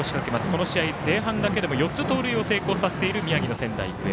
この試合、前半だけでも４つ盗塁を成功させている宮城の仙台育英。